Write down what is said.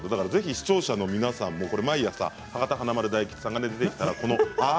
視聴者の皆さんも毎朝博多華丸・大吉さんが出てきたらああ